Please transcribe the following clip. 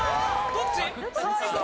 どっちだ？